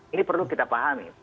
ini perlu kita pahami